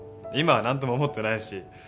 今は何とも思ってないし。